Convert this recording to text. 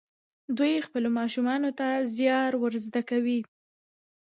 دوی خپلو ماشومانو ته زیار ور زده کوي.